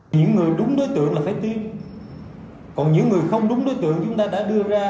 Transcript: những người đúng đối tượng là phải tiêm còn những người không đúng đối tượng chúng ta đã đưa ra